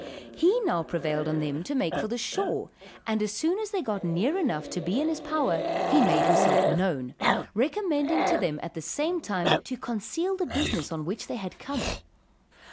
He prevailed on them to make for the shore, and as soon as they got near enough to be in his power, he made himself known, recommending to them at the same time to conceal the business on which they had come.